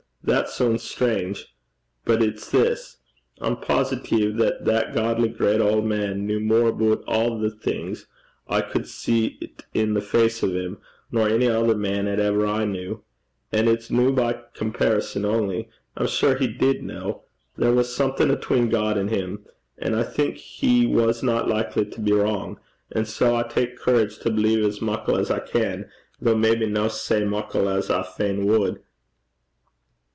That soonds strange. But it's this: I'm positeeve that that godly great auld man kent mair aboot a' thae things I cud see 't i' the face o' 'm nor ony ither man 'at ever I kent. An' it's no by comparison only. I'm sure he did ken. There was something atween God and him. An' I think he wasna likely to be wrang; an' sae I tak courage to believe as muckle as I can, though maybe no sae muckle as I fain wad.'